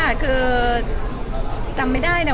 ตอนนี้ไม่พร้อมค่ะ